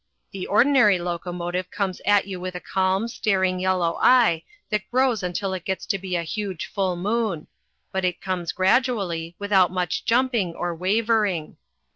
The ordinary locomotive comes at you with a calm, staring yellow eye that grows until it gets to be a huge full moon. But it comes gradually, without much jumping or wavering.